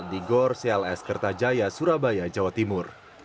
di gor cls kertajaya surabaya jawa timur